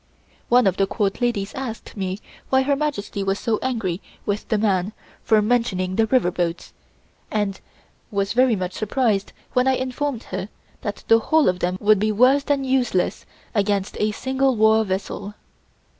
One of the Court ladies asked me why Her Majesty was so angry with the man for mentioning the river boats, and was very much surprised when I informed her that the whole of them would be worse than useless against a single war vessel.